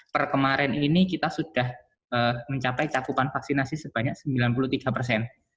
per kemarin ini kita sudah mencapai cakupan vaksinasi sebanyak sembilan puluh tiga persen